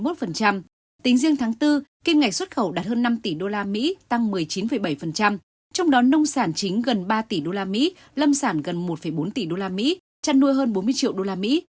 tính riêng tháng bốn kim ngạch xuất khẩu đạt hơn năm tỷ usd tăng một mươi chín bảy trong đó nông sản chính gần ba tỷ usd lâm sản gần một bốn tỷ usd chăn nuôi hơn bốn mươi triệu usd